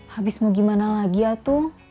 habis mau gimana lagi ya tuh